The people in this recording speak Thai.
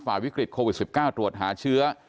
วิกฤตโควิด๑๙ตรวจหาเชื้อ